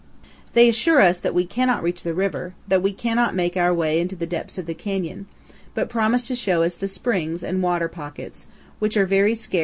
They assure us that we cannot reach the river, that we cannot make our way into the depths of the canyon, but promise to show us the springs and water pockets, which are very scarce in all powell canyons 180.